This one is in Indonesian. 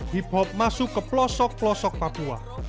hip hop masuk ke pelosok pelosok papua